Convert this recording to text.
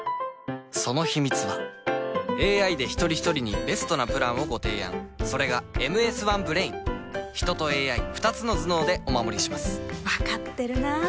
そのヒミツはＡＩで一人ひとりにベストなプランをご提案それが「ＭＳ１Ｂｒａｉｎ」人とＡＩ２つの頭脳でお守りします分かってるなぁ